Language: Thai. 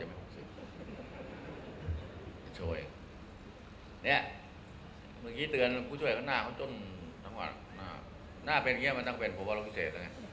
เจ้าโชยเองเนี่ยเมื่อกี้เตือนกูช่วยเขาหน้าเขาจนหน้าเป็นอย่างเงี้ยมันต้องเป็นผู้ว่าลูกพิเศษอ่ะเนี่ย